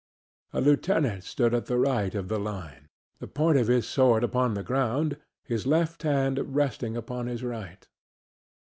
A lieutenant stood at the right of the line, the point of his sword upon the ground, his left hand resting upon his right.